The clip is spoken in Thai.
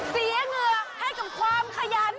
เหงื่อให้กับความขยัน